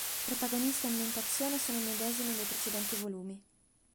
Protagonista e ambientazione sono i medesimi dei precedenti volumi.